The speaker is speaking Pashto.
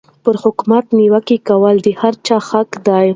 پر حاکمیت نیوکې کول د هر چا حق دی.